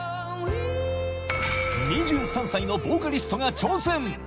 ２３歳のボーカリストが挑戦